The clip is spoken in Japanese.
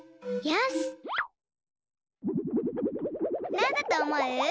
なんだとおもう？